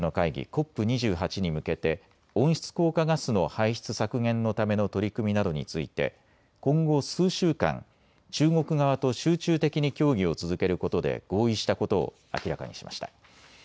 ＣＯＰ２８に向けて温室効果ガスの排出削減のための取り組みなどについて今後、数週間、中国側と集中的に協議を続けることで合意したことを明らかにしました。